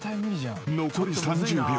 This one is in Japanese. ［残り３０秒。